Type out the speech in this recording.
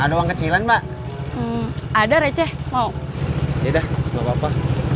ada uang kecilan mbak ada receh mau ya dah gak apa apa